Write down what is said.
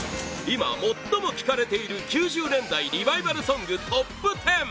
今、最も聴かれている９０年代リバイバルソングＴＯＰ１０！